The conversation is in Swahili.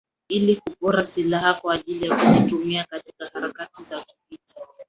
ili kupora silaha kwa ajili ya kuzitumia katika harakati za kivita